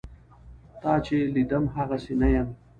تا چې لیدم هغسې نه یم.